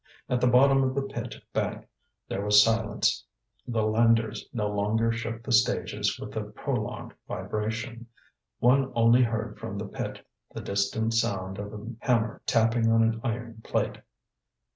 At the bottom of the pit bank there was silence; the landers no longer shook the stages with a prolonged vibration. One only heard from the pit the distant sound of a hammer tapping on an iron plate.